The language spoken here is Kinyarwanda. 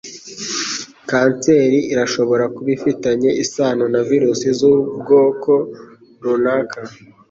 Kanseri irashobora kuba ifitanye isano na virusi z'ubwoko runaka.